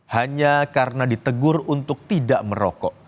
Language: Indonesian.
hanya karena ditegur untuk tidak merokok